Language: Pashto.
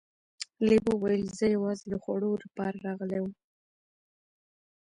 لیوه وویل چې زه یوازې د خوړو لپاره راغلی وم.